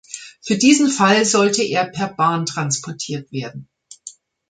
Für diesen Fall sollte er per Bahn transportiert werden.